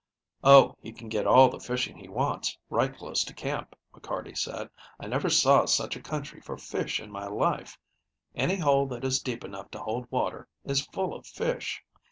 "Oh, he can get all the fishing he wants right close to camp," McCarty said. "I never saw such a country for fish in my life. Any hole that is deep enough to hold water is full of fish.